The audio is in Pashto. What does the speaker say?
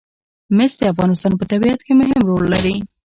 مس د افغانستان په طبیعت کې مهم رول لري.